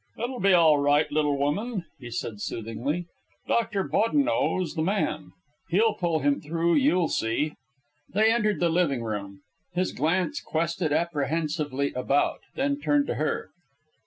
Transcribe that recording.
"It'll be all right, little woman," he said soothingly. "Doctor Bodineau's the man. He'll pull him through, you'll see." They entered the living room. His glance quested apprehensively about, then turned to her.